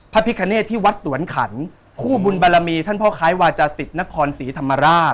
พระพิคเนตที่วัดสวนขันคู่บุญบารมีท่านพ่อค้ายวาจาศิษย์นครศรีธรรมราช